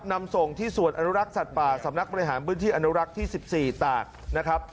นำส่งที่ส่วนอนุรักษ์สัตว์ป่าสำนักบริหารพื้นที่อนุรักษ์ที่๑๔ตากนะครับ